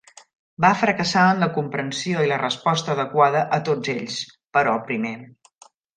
Va fracassar en la comprensió i la resposta adequada a tots ells, però el primer.